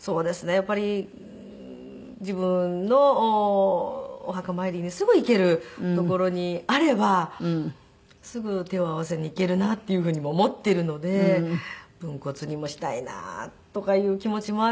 やっぱり自分のお墓参りにすぐ行ける所にあればすぐ手を合わせに行けるなっていうふうにも思っているので分骨にもしたいなとかいう気持ちもあるんですけれども。